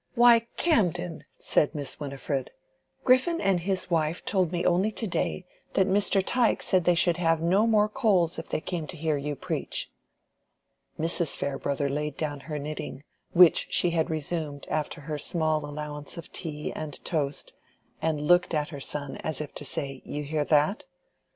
"Why, Camden!" said Miss Winifred, "Griffin and his wife told me only to day, that Mr. Tyke said they should have no more coals if they came to hear you preach." Mrs. Farebrother laid down her knitting, which she had resumed after her small allowance of tea and toast, and looked at her son as if to say "You hear that?"